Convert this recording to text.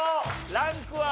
ランクは？